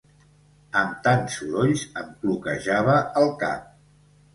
Amb tants sorolls em cloquejava el cap.